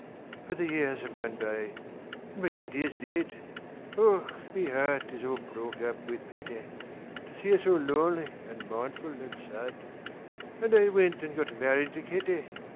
But the years have gone by, an' McGinty is dead! Och! me heart was all broke up wid pity To see her so lonely, an' mournful, an' sad, An' I wint an' got married to Kitty!